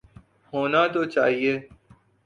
ہونا تو چاہیے۔